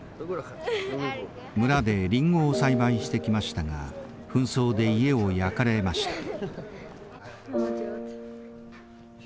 村でリンゴを栽培してきましたが紛争で家を焼かれました。